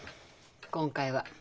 今回は。